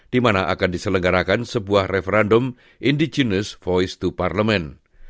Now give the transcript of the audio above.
di mana akan diselenggarakan sebuah referendum indigenous voice to parlemen